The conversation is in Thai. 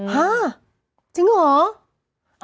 ฮ่าจริงเหรอ